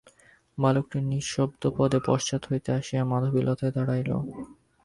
বালকটি নিঃশব্দপদে পশ্চাৎ হইতে আসিয়া মাধবীতলায় দাঁড়াইল।